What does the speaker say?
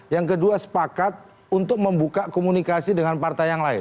yang kedua sepakat untuk membuka komunikasi dengan partai yang lain